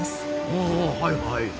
おはいはい。